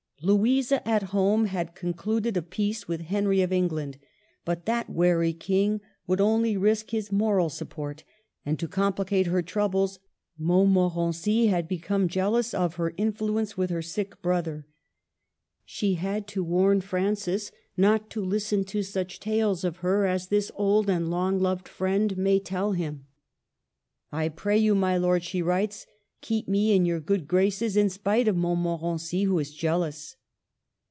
Louisa, at home, had concluded a peace with Henry of England, but that wary king would only risk his moral support ; and, to comphcate her troubles, Montmorency had become jealous of her influence with her sick brother. She has to warn Francis not to listen to such tales of her as this old and long loved friend may tell him. '' I pray you, my lord," she writes, '' keep me in your good graces, in spite of Montmorency, who is jealous."